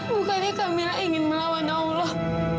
bukannya kami ingin melawan allah